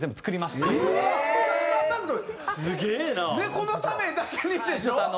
このためだけにでしょ？